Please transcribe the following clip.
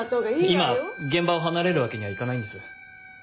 今現場を離れるわけにはいかないんです。